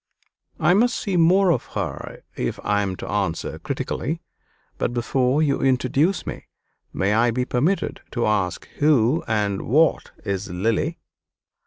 "I must see more of her if I am to answer critically; but before you introduce me, may I be permitted to ask who and what is Lily?"